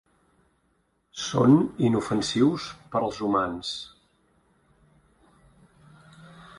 Són inofensius per als humans.